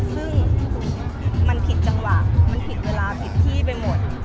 ซึ่งมันผิดจังหวะมันผิดเวลาผิดที่ไปหมด